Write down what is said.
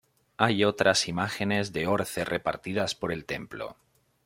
Hay otras imágenes de Orce repartidas por el templo.